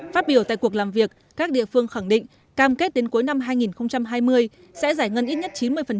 phát biểu tại cuộc làm việc các địa phương khẳng định cam kết đến cuối năm hai nghìn hai mươi sẽ giải ngân ít nhất chín mươi